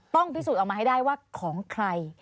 ต้องพิสูจน์ออกมาให้ได้ว่าของใคร